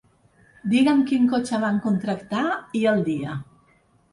Diguem quin cotxe van contractar i el dia.